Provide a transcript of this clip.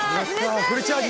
フルチャージ！